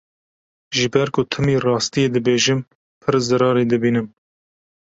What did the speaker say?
Ji ber ku timî rastiyê dibêjim pir zirarê dibînim.